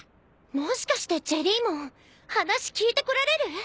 もしかしてジェリーモン話聞いてこられる？